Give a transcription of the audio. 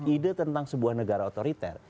ide tentang sebuah negara otoriter